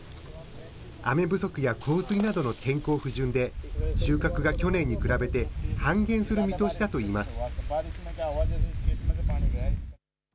雨不足や洪水などの天候不順で、収穫が去年に比べて半減する見通しだといいます。